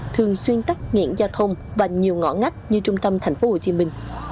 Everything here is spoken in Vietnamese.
thường xuyên tắt nghiện giao thông và nhiều ngõ ngách như trung tâm thành phố hồ chí minh